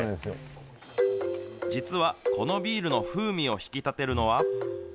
実は、このビールの風味を引き立てるのは。